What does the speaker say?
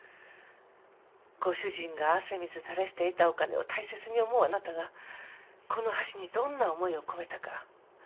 ご主人が汗水垂らして得たお金を大切に思うあなたがこの箸にどんな思いを込めたか